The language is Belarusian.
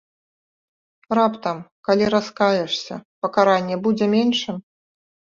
Раптам, калі раскаешся, пакаранне будзе меншым?